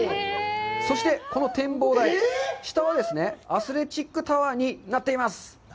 そして、この展望台、下はですね、アスレチックタワーになっています。